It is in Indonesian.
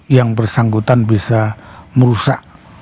yang bersangkutan bisa merusak